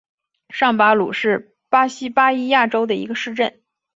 上巴鲁是巴西巴伊亚州的一个市镇。